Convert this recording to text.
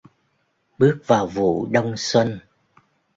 bước vào vụ đông xuân